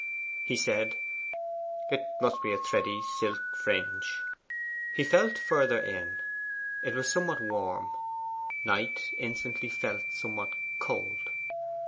He said, 'It must be a thready silk fringe.' He felt further in. It was somewhat warm. Knight instantly felt somewhat cold.